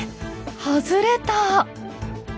外れた！